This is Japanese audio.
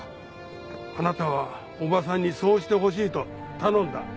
あなたは伯母さんにそうしてほしいと頼んだ。